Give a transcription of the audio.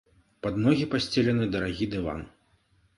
Пад ногі пасцелены дарагі дыван.